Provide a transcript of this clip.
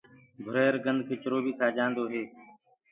گھُرير گندکِچرو بي کآجآندو هي۔